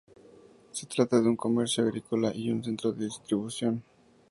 Se trata de un comercio agrícola, y un centro de distribución.